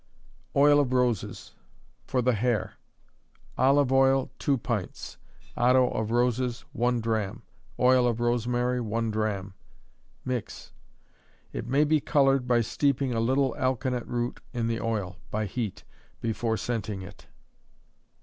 Oil of Roses for the Hair. Olive oil, two pints: otto of roses, one drachm; oil of rosemary, one drachm; mix. It may be colored by steeping a little alkanet root in the oil (by heat) before scenting it.